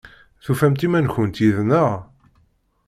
Tufamt iman-nkent yid-neɣ?